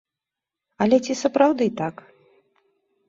Але ці сапраўды так?